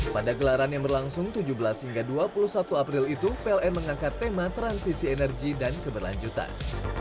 pada gelaran yang berlangsung tujuh belas hingga dua puluh satu april itu pln mengangkat tema transisi energi dan keberlanjutan